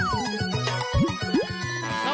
งานนี้เผิดไปเลยนะครับนักเรียนผู้สูงอายุ